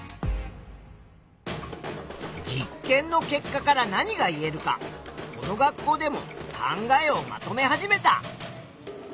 実験の結果から何が言えるかこの学校でも考えをまとめ始めた。